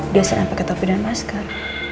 dia sering pakai topi dan masker